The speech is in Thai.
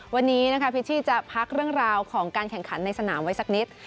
วันนี้นะคะพิชชี่จะพักเรื่องราวของการแข่งขันในสนามไว้สักนิด